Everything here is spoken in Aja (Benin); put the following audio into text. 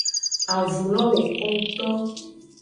Avun lo woko ngto.